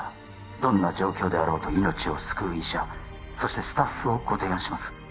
どんな状況であろうと命を救う医者そしてスタッフをご提案します